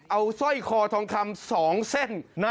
เอาสร้อยคอทองคำ๒เส้น